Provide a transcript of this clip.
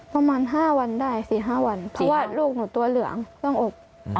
ประมาณ๕วันได้๔๕วันเพราะว่าลูกหนูตัวเหลืองต้องอก